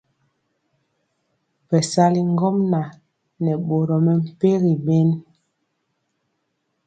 Bɛsali ŋgomnaŋ nɛ boro mɛmpegi bɛnd.